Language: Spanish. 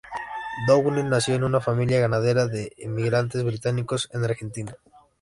Downey nació en una familia ganadera de emigrantes británicos en Argentina.